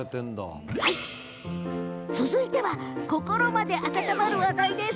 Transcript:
続いては、心まで温まる話題です。